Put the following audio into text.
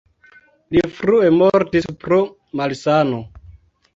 Li frue mortis pro malsano.